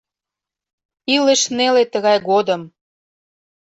Илыш неле тыгай годым!